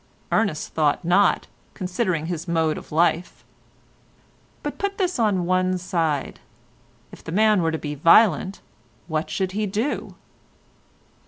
Ernest thought not, considering his mode of life. But put this on one side; if the man were to be violent, what should he do?